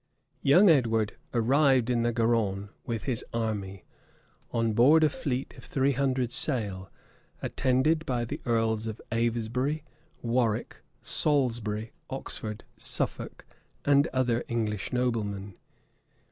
Young Edward arrived in the Garronne with his army, on board a fleet of three hundred sail, attended by the earls of Avesbury, p. 243. Warwick, Salisbury, Oxford, Suffolk, and other English noblemen.